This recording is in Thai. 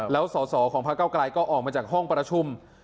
แล้วส่อของพักก้าวกรัยก็ออกมาจากห้องประชุม